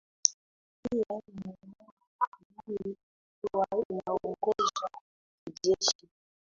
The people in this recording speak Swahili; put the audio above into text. i ya mynimar ambayo ilikuwa inaongozwa kijeshi